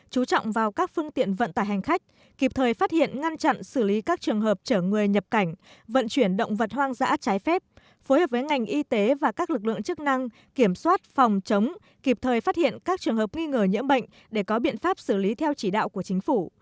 chú trọng vào các phương tiện vận tải hành khách kịp thời phát hiện ngăn chặn xử lý các trường hợp chở người nhập cảnh vận chuyển động vật hoang dã trái phép phối hợp với ngành y tế và các lực lượng chức năng kiểm soát phòng chống kịp thời phát hiện các trường hợp nghi ngờ nhiễm bệnh để có biện pháp xử lý theo chỉ đạo của chính phủ